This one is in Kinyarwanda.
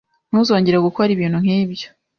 Ntuzongere gukora ibintu nkibyo.